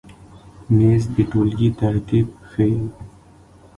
مېز د ټولګۍ ترتیب ښیي.